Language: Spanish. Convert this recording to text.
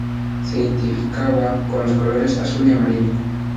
Se identificaba con los colores Azul y Amarillo.